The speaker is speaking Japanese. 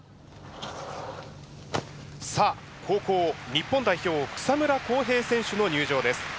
さあ後攻日本代表草村航平選手の入場です。